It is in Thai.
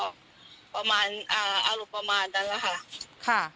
พี่ดูจากจากกล้องแล้วก็ประมาณอารมณ์ประมาณนั้นแหละค่ะ